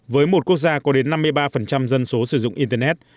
với một quốc gia có đến năm mươi ba dân số sử dụng internet